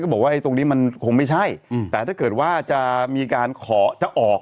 บอกว่าตรงนี้มันคงไม่ใช่แต่ถ้าเกิดว่าจะมีการขอจะออก